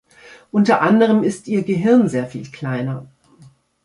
Unter anderem ist ihr Gehirn sehr viel kleiner.